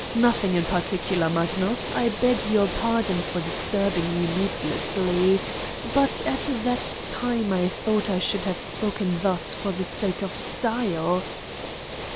Nothing in particular, Magnus. I beg your pardon for dis turbing you needlessly, but at that time I thought I should have spoken thus for the sake of style